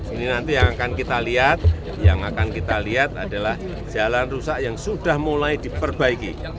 ini nanti yang akan kita lihat adalah jalan rusak yang sudah mulai diperbaiki